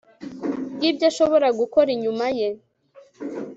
yibyo ashobora gukora inyuma ye